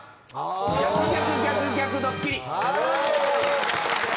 「逆逆逆逆逆逆ドッキリ